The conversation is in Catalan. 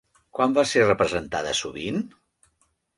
Quan va ser representada sovint?